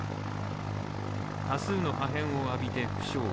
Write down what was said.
多数の破片を浴びて負傷。